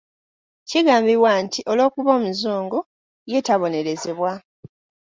Kigambibwa nti olw’okuba omuzungu, ye tabonerezebwa.